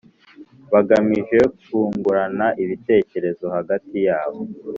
bagamije kungurana ibitekerezo hagati yabo